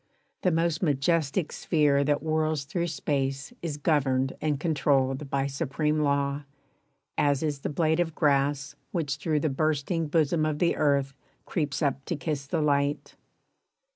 The most majestic sphere That whirls through space is governed and controlled By supreme law, as is the blade of grass Which through the bursting bosom of the earth Creeps up to kiss the light.